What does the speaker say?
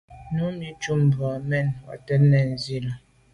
Numi nɔ́’ cup mbʉ̀ a mɛ́n Watɛ̀ɛ́t nɔ́ɔ̀’ nswɛ́ɛ̀n í lá.